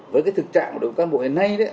với cái thực trạng của đối với cán bộ hiện nay